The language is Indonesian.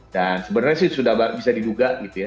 dan sebenarnya sih sudah bisa diduga gitu ya